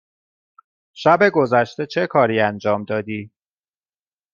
شب گذشته چه کاری انجام دادی؟